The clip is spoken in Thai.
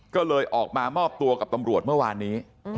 ก็เลยออกมามอบตัวกับตำรวจเมื่อวานนี้